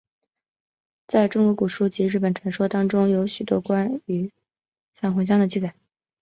在中国古书及日本传说当中有许多关于返魂香的记载。